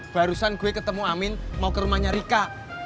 barusan gue ketemu amin mau ke rumahnya rika